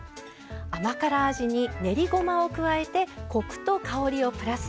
甘辛味に練りごまを加えてコクと香りをプラス。